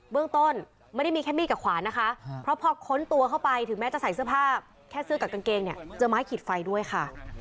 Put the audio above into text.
เบื้องต้นไม่ได้มีแค่มีดกับขวานนะคะ